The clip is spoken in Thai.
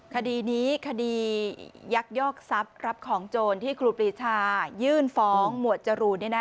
คดีนี้คดียักยอกทรัพย์รับของโจรที่ครูปรีชายื่นฟ้องหมวดจรูน